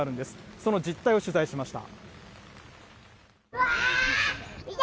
その実態を取材しました。